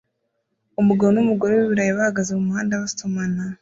Umugabo n'umugore wiburayi bahagaze mumuhanda basomana